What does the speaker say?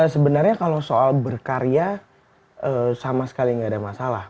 sebenarnya kalau soal berkarya sama sekali nggak ada masalah